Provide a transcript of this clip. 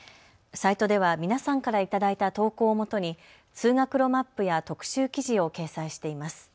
サイトでは皆さんからいただいた投稿をもとに通学路マップや特集記事を掲載しています。